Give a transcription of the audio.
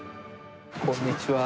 こんにちは。